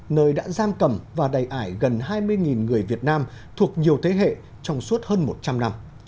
nơi đã giam cầm và đầy ải gần hai mươi người việt nam thuộc nhiều thế hệ trong suốt hơn một trăm linh năm